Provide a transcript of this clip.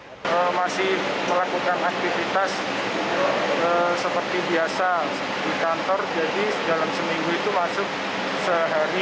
saya masih melakukan aktivitas seperti biasa di kantor jadi dalam seminggu itu masuk sehari